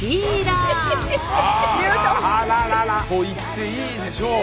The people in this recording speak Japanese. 言っていいでしょう。